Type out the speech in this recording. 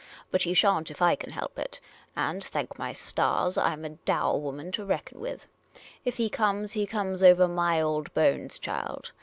But he sha'n't if I can help it ; and, thank my stars, I 'm a dour woman to reckon with. If he comes, he comes over my old bones, child.